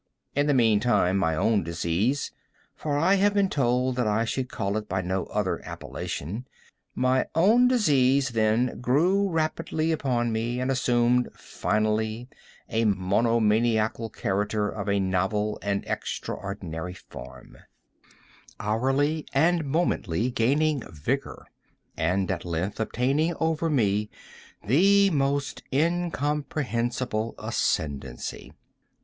In the mean time my own disease—for I have been told that I should call it by no other appellation—my own disease, then, grew rapidly upon me, and assumed finally a monomaniac character of a novel and extraordinary form—hourly and momently gaining vigor—and at length obtaining over me the most incomprehensible ascendancy.